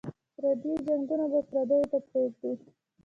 پردي جنګونه به پردیو ته پرېږدو.